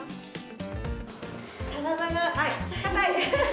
体が硬い。